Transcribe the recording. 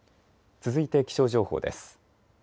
続いて気象情報です。